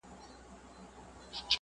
خپل استازی یې ورواستاوه خزدکه!